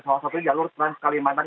salah satunya jalur trans kalimantan